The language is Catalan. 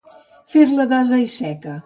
Fer-la d'ase i seca.